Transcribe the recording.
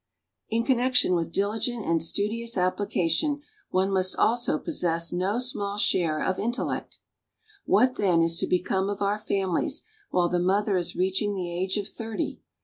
In connection with dihgent and studious ap])Hcation one must also possess no small share of in tellect". What, then, is to become of our families while the mother is reach ing the age ©f thirty?